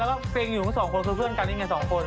แล้วก็เพลงอยู่กับสองคน